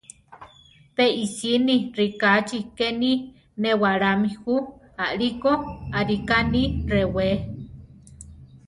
Pe isíni rikáchi keni newalámi ju; alíko arika ni rewé.